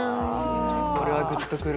これはグッとくる。